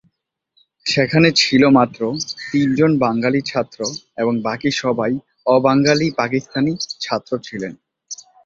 সেখানে ছিল মাত্র তিনজন বাঙালি ছাত্র এবং বাকি সবাই অবাঙালি পাকিস্তানি ছাত্র ছিলেন।